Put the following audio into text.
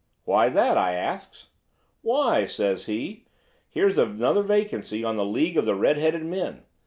"'Why that?' I asks. "'Why,' says he, 'here's another vacancy on the League of the Red headed Men.